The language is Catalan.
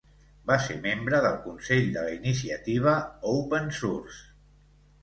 Va ser membre del Consell de la iniciativa Open Source.